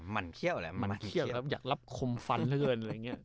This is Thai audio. มันเขี้ยวแหละมันเขี้ยวอยากรับคมฟันเท่าเกิน